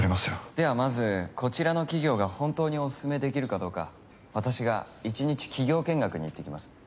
ではまずこちらの企業が本当におすすめできるかどうか私が１日企業見学に行ってきます。